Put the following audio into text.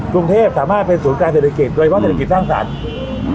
กรุงเทพสามารถเป็นศูนย์การเศรษฐกิจโดยเฉพาะเศรษฐกิจสร้างสรรค์